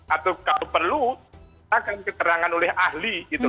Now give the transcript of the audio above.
atau kalau perlu akan dikerjakan oleh ahli